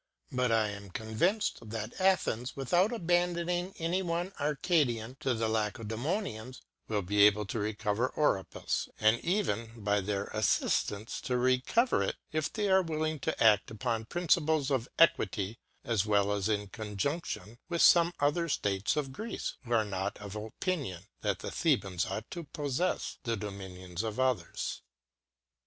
But I am convinced, that Athens, without abandoning any one Arcadian to the La cedaemonians, will be able to recover Oropusj and even, by their Affiftance to recover it, if they are willing to aft upon Principles of Equity, as well as in Conjundlion with fome other States of Greece, who are not of Opinion, that the Thebans ought to poflefs the Dominions of others.